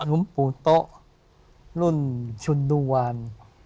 ลุงปูโตะรุ่นชุดวาน